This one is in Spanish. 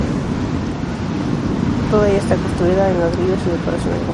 Toda ella está construida en ladrillo sin decoración alguna.